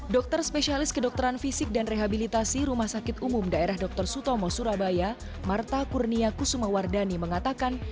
dokter spesialis kedokteran fisik dan rehabilitasi rumah sakit umum daerah dr sutomo surabaya marta kurnia kusumawardani mengatakan